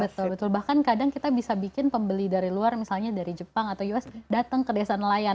betul betul bahkan kadang kita bisa bikin pembeli dari luar misalnya dari jepang atau us datang ke desa nelayan